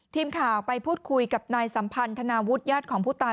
ทีมข่าวไปพูดคุยกับนายสัมพันธนาวุฒิญาติของผู้ตาย